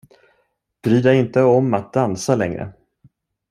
Bry dig inte om att dansa längre!